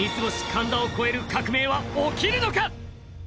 神田を超える革命は起きるのか？